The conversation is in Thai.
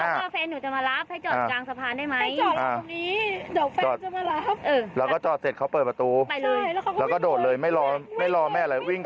แฟนท์หนูจะมารับให้เจาะกลางสะพานได้ไหม